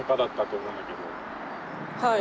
はい。